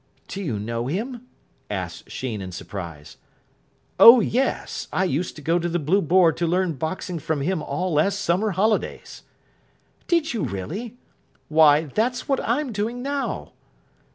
"Do you know him?" asked Sheen in surprise. "Oh yes. I used to go to the 'Blue Boar' to learn boxing from him all last summer holidays." "Did you really? Why, that's what I'm doing now."